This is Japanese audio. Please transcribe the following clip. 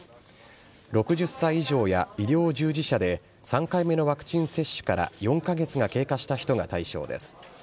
６０歳以上や医療従事者で、３回目のワクチン接種から４か月が経過した人が対象です。